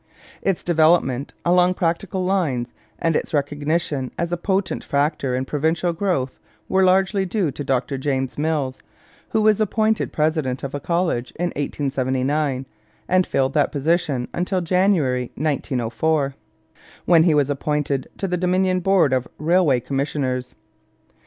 Its development along practical lines and its recognition as a potent factor in provincial growth were largely due to Dr James Mills, who was appointed president of the college in 1879, and filled that position until January 1904, when he was appointed to the Dominion Board of Railway Commissioners.